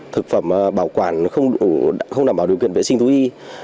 thực phẩm bảo quản không đảm bảo điều kiện vệ sinh thú y